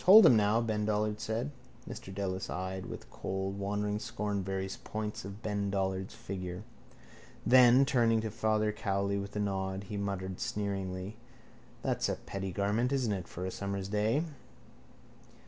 —Hold him now, Ben Dollard said. Mr Dedalus eyed with cold wandering scorn various points of Ben Dollard's figure. Then, turning to Father Cowley with a nod, he muttered sneeringly: —That's a pretty garment, isn't it, for a summer's day?